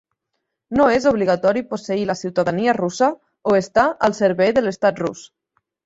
No és obligatori posseir la ciutadania russa o estar al servei de l'estat rus.